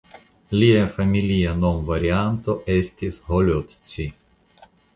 Lia familia nomvarianto estis "Holocsi".